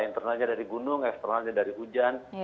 internalnya dari gunung eksternalnya dari hujan